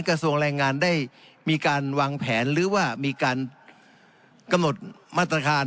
กระทรวงแรงงานได้มีการวางแผนหรือว่ามีการกำหนดมาตรการ